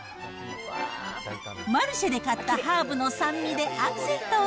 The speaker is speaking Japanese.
マルシェで買ったハーブの酸味でアクセントを。